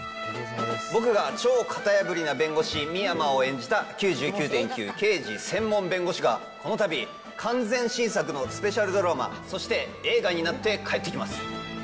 僕が超型破りな弁護士、深山を演じた９９．９刑事専門弁護士が、このたび完全新作のスペシャルドラマ、そして映画になって帰ってきます。